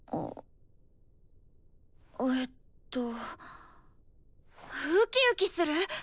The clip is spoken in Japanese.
えっとウキウキする？